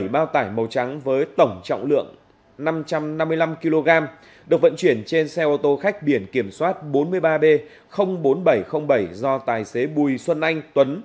bảy bao tải màu trắng với tổng trọng lượng năm trăm năm mươi năm kg được vận chuyển trên xe ô tô khách biển kiểm soát bốn mươi ba b bốn nghìn bảy trăm linh bảy do tài xế bùi xuân anh tuấn